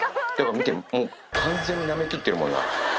見てみ、完全になめきってるもんな。